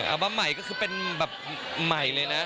บั้มใหม่ก็คือเป็นแบบใหม่เลยนะ